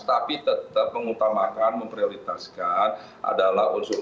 tapi tetap mengutamakan memprioritaskan adalah unsur unsur